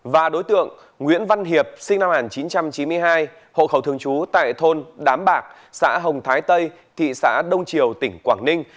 và đối tượng nguyễn văn hiệp sinh năm một nghìn chín trăm chín mươi hai hộ khẩu thường trú tại thôn đám bạc xã hồng thái tây thị xã đông triều tỉnh quảng ninh